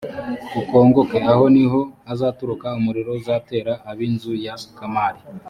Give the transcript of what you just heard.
ukongoke aho ni ho hazaturuka umuriro uzatera ab inzu ya kamari